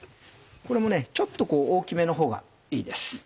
これもねちょっと大きめのほうがいいです。